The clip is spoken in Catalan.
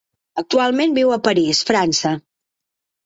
Actualment viu a París, França.